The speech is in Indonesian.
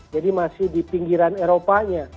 jadi masih di pinggiran eropanya